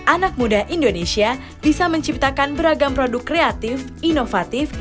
anak muda indonesia bisa menciptakan beragam produk kreatif inovatif